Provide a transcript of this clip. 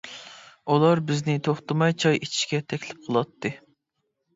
ئۇلار بىزنى توختىماي چاي ئىچىشكە تەكلىپ قىلاتتى.